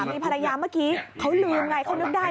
๒๓ปีภรรยาเมื่อกี้เขาลืมหน่อยเขายกใจ